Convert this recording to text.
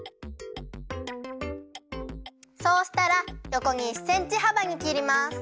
そうしたらよこに１センチはばにきります。